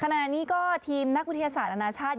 ขณะนี้ก็ทีมนักวิทยาศาสตร์อนาชาติ